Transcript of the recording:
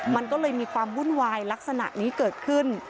มันก็เลยมีความวุ่นวายลักษณะนี้เกิดขึ้น